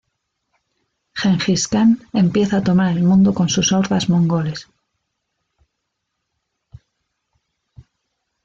Genghis Khan empieza a tomar el mundo con sus hordas mongoles.